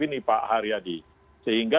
ini pak haryadi sehingga